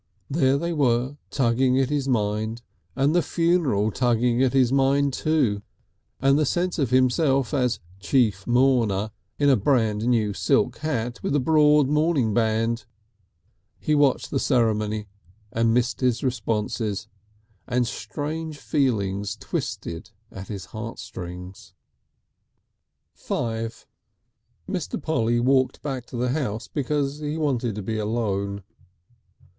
There they were tugging at his mind, and the funeral tugging at his mind, too, and the sense of himself as Chief Mourner in a brand new silk hat with a broad mourning band. He watched the ceremony and missed his responses, and strange feelings twisted at his heartstrings. V Mr. Polly walked back to the house because he wanted to be alone.